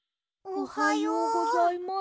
おはようございます。